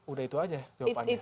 udah itu aja jawabannya